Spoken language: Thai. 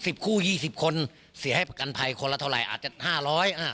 คู่ยี่สิบคนเสียให้ประกันภัยคนละเท่าไหร่อาจจะห้าร้อยอ่า